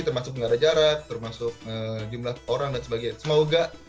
termasuk nggak ada jarak termasuk jumlah orang dan sebagainya semoga